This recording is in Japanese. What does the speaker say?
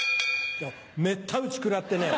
めった打ち食らってね